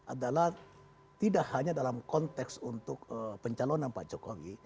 adalah tidak hanya dalam konteks untuk pencalonan pak jokowi